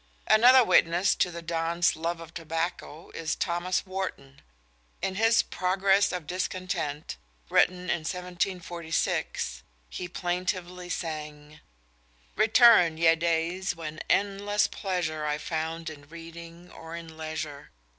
Another witness to the dons' love of tobacco is Thomas Warton. In his "Progress of Discontent," written in 1746, he plaintively sang: _Return, ye days when endless pleasure I found in reading or in leisure!